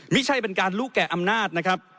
ไม่ใช่เป็นการรู้แก่อำนาจนะครับ